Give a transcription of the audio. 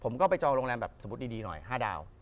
ผมก็ไปจองโรงแรมแบบสมมุติดีหน่อย๕ดาว